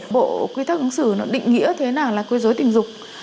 bộ quy tắc ứng xử nó định nghĩa thế nào là quê dối tình dục